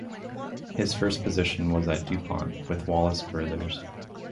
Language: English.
His first position was at DuPont with Wallace Carothers.